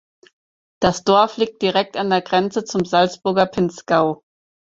Das Dorf liegt direkt an der Grenze zum Salzburger Pinzgau.